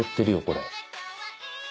これ。